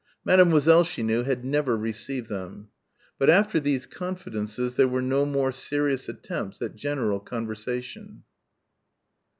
Mademoiselle, she knew, had never received them. But after these confidences there were no more serious attempts at general conversation.